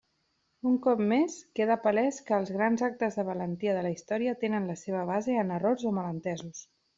Un cop més queda palès que els grans actes de valentia de la història tenen la seva base en errors o malentesos.